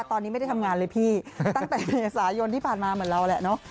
ตอนนี้ไม่ได้ทำงานเลยพี่ตั้งแต่เมษายนที่ผ่านมาเหมือนเราแหละเนอะ